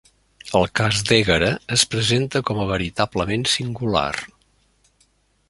El cas d'Ègara es presenta com a veritablement singular.